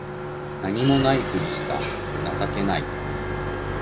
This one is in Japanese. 何も無いふりした情けない